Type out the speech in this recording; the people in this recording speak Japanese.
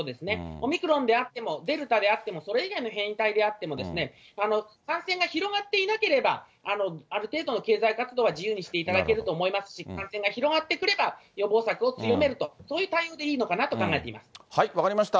オミクロンであっても、デルタであってもそれ以外の変異体であっても、感染が広がっていなければ、ある程度の経済活動は自由にしていただけると思いますし、感染が広がってくれば、予防策を強めると、そういう対応でいいのかなと分かりました。